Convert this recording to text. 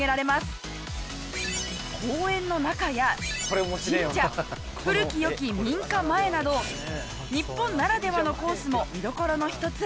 公園の中や神社古き良き民家前など日本ならではのコースも見どころの一つ。